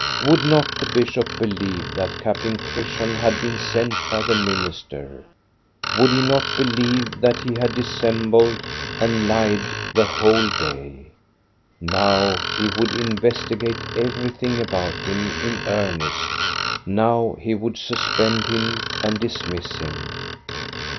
Would not the bishop believe that Captain Chris tian had been sent by the minister? Would he not believe that he had dissembled and lied the whole day? Now he would investigate everything about him in earnest; now he would suspend him and dismiss him.